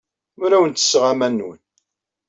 Ur awen-ttesseɣ aman-nwen.